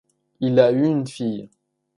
Il a eu une fille.